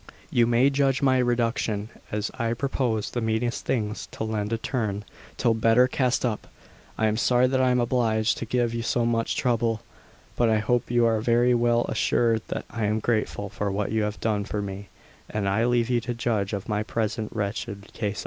You may judge my reduction, as I propose the meanest things to lend a turn till better cast up. I am sorry that I am obliged to give you so much trouble, but I hope you are very well assured that I am grateful for what you have done for me, and I leave you to judge of my present wretched case.